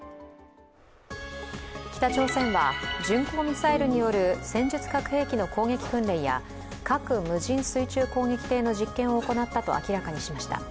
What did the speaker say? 北朝鮮は巡航ミサイルによる戦術核兵器の攻撃訓練や核無人水中攻撃艇の実験を行ったと明らかにしました。